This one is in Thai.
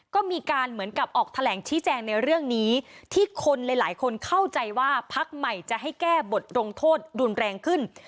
ก็มีการเหมือนกับออกแถลงชี้แจงในเรื่องนี้ที่คนหลายคนเข้าใจว่าพักใหม่จะให้แก้บทลงโทษรุนแรงขึ้น